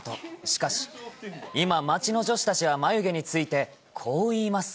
しかし、今、街の女子たちは眉毛について、こう言います。